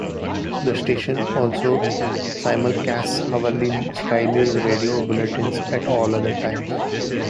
The station also simulcasts hourly Sky News Radio bulletins at all other times.